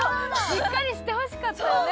しっかりしてほしかったよね